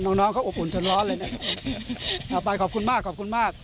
น้องก็อบอุ่นจนร้อนเลยขอบคุณมาก